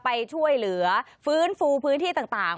ไปช่วยเหลือฟื้นฟูพื้นที่ต่าง